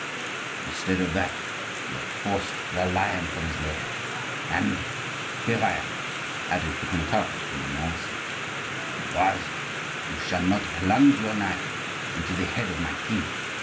Instead of that, you have forced the lion from his lair and—here I am!" added the Connetable de Montmorency. "Ambroise, you shall not plunge your knife into the head of my king.